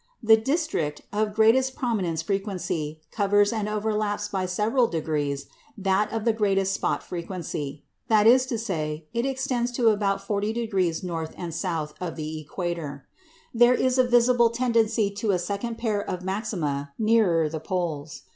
The district of greatest prominence frequency covers and overlaps by several degrees that of the greatest spot frequency. That is to say, it extends to about 40° north and south of the equator. There is a visible tendency to a second pair of maxima nearer the poles.